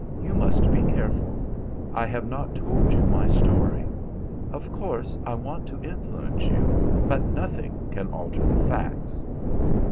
"You must be careful. I have not told you my story. Of course I want to influence you, but nothing can alter the facts."